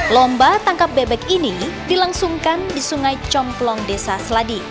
lomba tangkap bebek ini dilangsungkan di sungai complong desa seladi